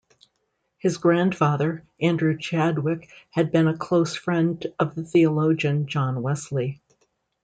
His grandfather, Andrew Chadwick, had been a close friend of the theologian John Wesley.